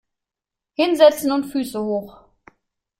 Hinsetzen und Füße hoch!